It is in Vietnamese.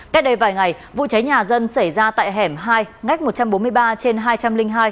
cách đây vài ngày vụ cháy nhà dân xảy ra tại hẻm hai ngách một trăm bốn mươi ba trên hai trăm linh hai